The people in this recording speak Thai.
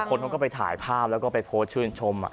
คนเขาก็ไปถ่ายภาพแล้วก็ไปโพสต์ชื่นชม